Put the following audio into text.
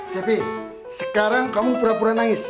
tapi sekarang kamu pura pura nangis